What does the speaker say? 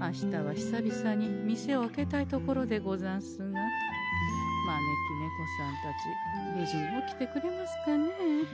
明日は久々に店を開けたいところでござんすが招き猫さんたちぶじに起きてくれますかねえ。